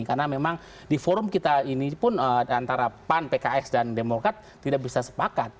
karena memang di forum kita ini pun antara pan pks dan demokrat tidak bisa sepakat